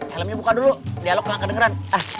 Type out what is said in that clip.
helmnya buka dulu dialog nggak kedengeran